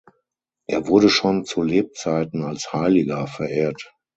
Er wurde schon zu Lebzeiten als „Heiliger“ verehrt.